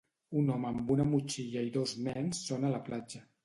Un home amb una motxilla i dos nens són a la platja.